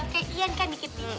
kayak ian kan dikitin